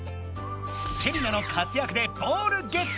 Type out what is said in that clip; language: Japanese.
セリナの活やくでボールゲット！